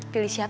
pilih siapa ya